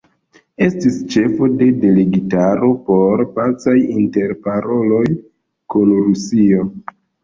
Estis ĉefo de delegitaro por pacaj interparoloj kun Rusio.